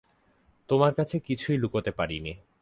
তোমার কাছে কোনো কিছুই লুকোতে পারি নে।